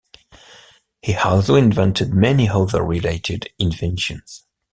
He also invented many other related inventions.